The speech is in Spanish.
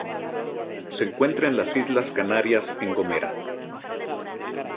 Se encuentra en las Islas Canarias en Gomera.